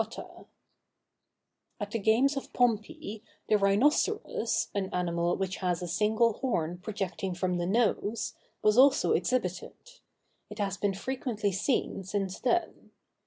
_] At the games of Pompey the rhinoceros, an animal which has a single horn projecting from the nose, was also exhibited; it has been frequently seen since then.